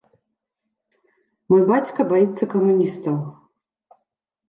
Мой бацька баіцца камуністаў.